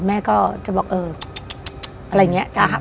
แม่ก็จะบอกเอออะไรอย่างนี้